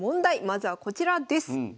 まずはこちらです。